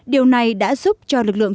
điều này đã giúp cho lực lượng